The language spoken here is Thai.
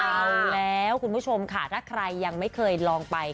เอาแล้วคุณผู้ชมค่ะถ้าใครยังไม่เคยลองไป